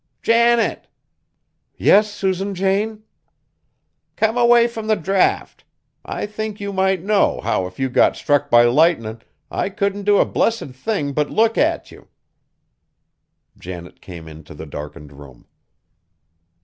"Janet!" "Yes, Susan Jane." "Come away from the draught! I think you might know, how if you got struck by lightnin' I couldn't do a blessed thing but look at you." Janet came into the darkened room.